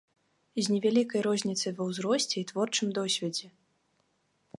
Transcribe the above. З невялікай розніцай ва ўзросце і творчым досведзе.